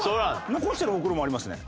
残してるほくろもありますね。